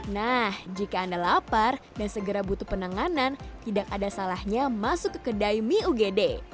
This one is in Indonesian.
nah jika anda lapar dan segera butuh penanganan tidak ada salahnya masuk ke kedai mie ugd